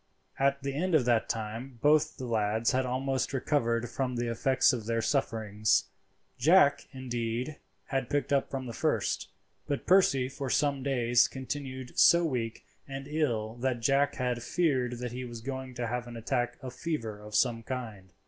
At the end of that time both the lads had almost recovered from the effects of their sufferings. Jack, indeed, had picked up from the first, but Percy for some days continued so weak and ill that Jack had feared that he was going to have an attack of fever of some kind.